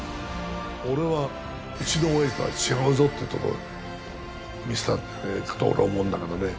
俺はうちの親父とは違うぞっていうところを見せたんじゃねえかと俺は思うんだけどね。